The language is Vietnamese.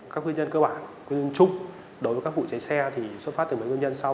các nguyên nhân cơ bản quy chung đối với các vụ cháy xe thì xuất phát từ mấy nguyên nhân sau